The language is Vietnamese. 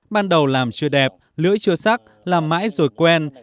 ban đầu làm chưa đẹp lưỡi chưa sắc làm mãi rồi quen